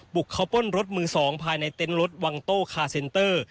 บุกเข้าป้นรถมือ๒ภายในเต็นต์รถวังโต้คาเซนเตอร์